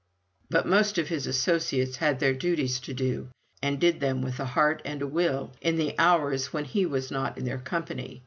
But most of his associates had their duties to do, and did them with a heart and a will, in the hours when he was not in their company.